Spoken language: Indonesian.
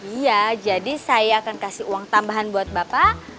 iya jadi saya akan kasih uang tambahan buat bapak